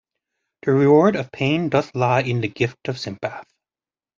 The reward of pain doth lie in the gift of sympath.